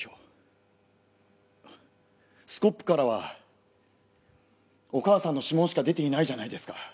スコップからはお義母さんの指紋しか出ていないじゃないですか。